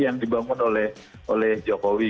yang dibangun oleh jokowi